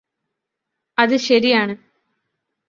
അത് ശരിയാണ്